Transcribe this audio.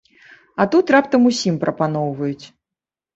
А тут раптам усім прапаноўваюць.